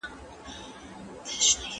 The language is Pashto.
هغه د خدای ښار په نوم یو مشهور کتاب ولیکه.